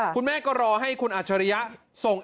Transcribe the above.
คุณแม่ก็รอให้คุณอัจฉริยะส่ง